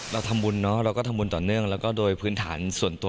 เราทำบุญเนอะเราก็ทำบุญต่อเนื่องแล้วก็โดยพื้นฐานส่วนตัว